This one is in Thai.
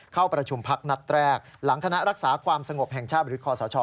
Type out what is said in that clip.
เข้าประชุมพักนัดแรกหลังคณะรักษาความสงบแห่งชาติหรือคอสช